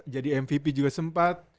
jadi mvp juga sempat